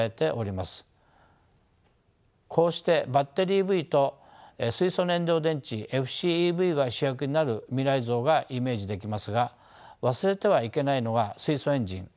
こうしてバッテリーＥＶと水素燃料電池ＦＣＥＶが主役になる未来像がイメージできますが忘れてはいけないのが水素エンジン